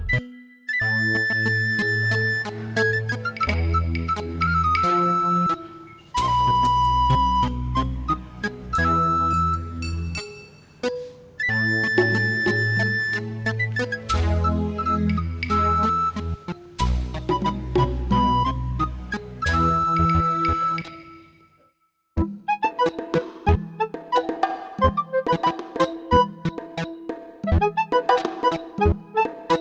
makasih pak ustadz